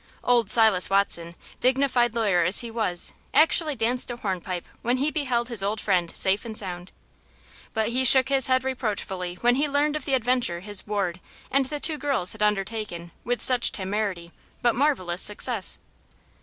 Old Silas Watson, dignified lawyer as he was, actually danced a hornpipe when he beheld his old friend safe and sound. But he shook his head reproachfully when he learned of the adventure his ward and the two girls had undertaken with such temerity but marvelous success.